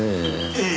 ええ。